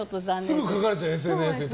すぐ書かれちゃう、ＳＮＳに。